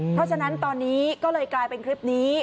เพราะฉะนั้นตอนนี้ก็เลยกลายเป็นคลิปนี้